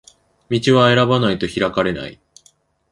道は選ばないと開かれない